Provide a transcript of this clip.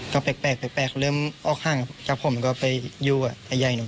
ก็แปลกเครื่องออกห้างจากผมก็ไปยื้อไอ้เยขรากาวเช้า